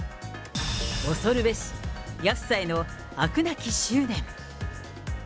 恐るべし安さへの飽くなき執念。